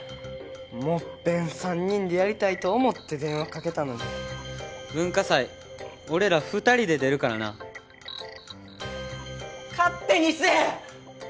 もっぺん３人でやりたいと思って電話かけたのに文化祭俺ら２人で出るからな勝手にせぇ！